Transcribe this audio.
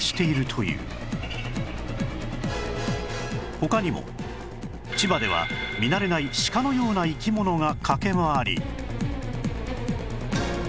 他にも千葉では見慣れないシカのような生き物が駆け回り